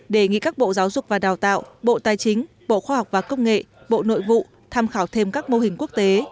đề nghị các bộ giáo dục và đào tạo bộ tài chính bộ khoa học và công nghệ bộ nội vụ tham khảo thêm các mô hình quốc tế